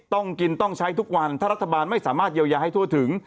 ต้องกินต้องใช้ทุกวันถ้ารัฐบาลไม่สามารถเยียวยาให้ทั่วถึง